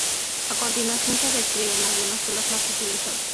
A continuación se describen algunos de los más utilizados.